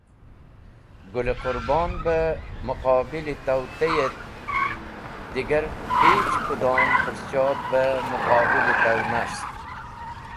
Gũl-e Qũrbon beh muqobil-e taw teyet, digar hich kudom pũrchodh beh muqobil-e taw nast.